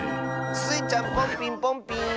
スイちゃんポンピンポンピーン！